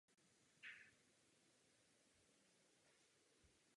Po vzniku Československa se stal členem Československé národní demokracie.